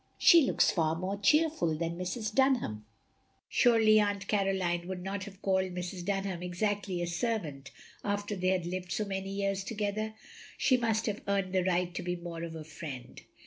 She looks far more cheerful than Mrs. Dunham. Surely Aunt Caroline would not have called Mrs. Dunham exactly a servant after they had lived so many years together? She must have earned the right to be more of a friend.